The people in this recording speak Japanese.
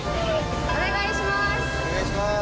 お願いします！